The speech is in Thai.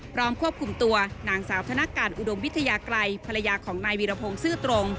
พร้อมควบคุมตัวนางสาวธนการอุดมวิทยากรัยภรรยาของนายวีรพงศ์ซื่อตรง